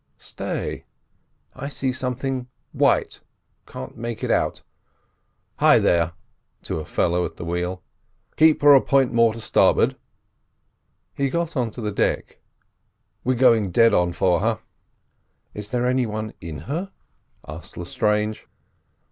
Stay! I see something white, can't make it out. Hi there!"—to the fellow at the wheel "Keep her a point more to starboard." He got on to the deck. "We're going dead on for her." "Is there any one in her?" asked Lestrange.